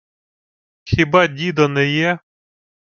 — Хіба дідо не є?